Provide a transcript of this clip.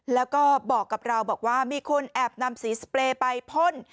แล้วก็บอกกับเราบอกว่ามีคนแอบนำสีสเปรย์ไปพ่น